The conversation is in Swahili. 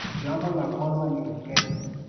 Jambo la kwanza ni upendo